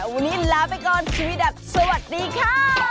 วันนี้ลาไปก่อนทีวีดับสวัสดีค่ะ